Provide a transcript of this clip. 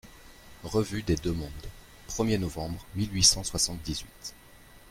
REVUE DES DEUX-MONDES, premier novembre mille huit cent soixante-dix-huit.